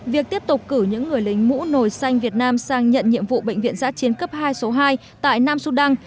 việc tiếp tục cử những người lính mũ nồi xanh việt nam sang nhận nhiệm vụ bệnh viện giã chiến cấp hai số hai tại nam sudan